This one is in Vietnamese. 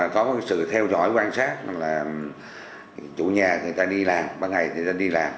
có sự theo dõi quan sát là chủ nhà người ta đi làm ban ngày người ta đi làm